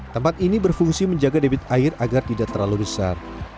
tempat ini berfungsi menjaga debit air agar tidak terlalu besar